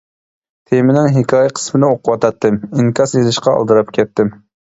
تېمىنىڭ ھېكايە قىسمىنى ئوقۇۋاتاتتىم، ئىنكاس يېزىشقا ئالدىراپ كەتتىم.